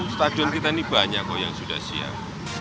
stadion kita ini banyak kok yang sudah siap